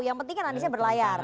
yang penting kan aniesnya berlayar